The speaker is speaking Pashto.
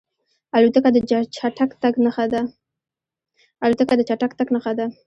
الوتکه د چټک تګ نښه ده.